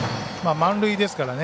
満塁ですからね。